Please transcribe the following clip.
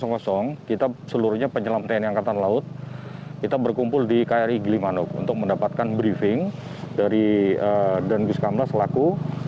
jadi sejak pagi tadi sejak pukul tujuh kita seluruhnya penyelam tni angkatan laut kita berkumpul di kri gilimanog untuk mendapatkan briefing dari dan gus kamla selaku